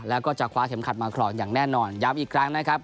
แล้วก็จะคว้าเข็มขัดมาครองอย่างแน่นอนย้ำอีกครั้งนะครับ